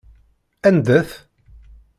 Anda-t?